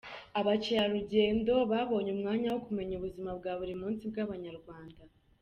Abakerarugendo babonye umwanya wo kumenya ubuzima bwa buri munsi bw’Abanyarwanda.